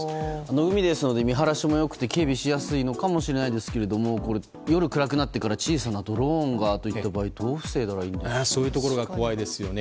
海ですので見晴らしもよいし警備しやすいのかもしれないですが夜暗くなってから小さなドローンがという場合はそういうところが怖いですよね。